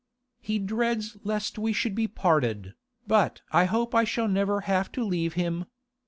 He dreads lest we should be parted, but I hope I shall never have to leave him.